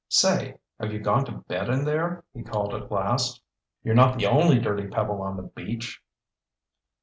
"Say, have you gone to bed in there?" he called at last. "You're not the only dirty pebble on the beach!"